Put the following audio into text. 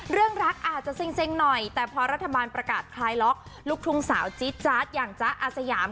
เรื่องรักอาจจะเซ็งหน่อยแต่พอรัฐบาลประกาศคลายล็อกลูกทุ่งสาวจี๊ดจ๊าดอย่างจ๊ะอาสยาม